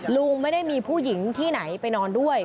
ลุงไม่ได้มีผู้หญิงที่ไหนไปนอนด้วย